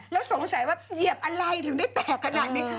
แล้วสงสัยว่าเหยียบอะไรถึงได้แตกขนาดนี้